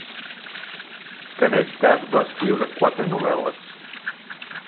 Kanetkar va escriure quatre novel·les.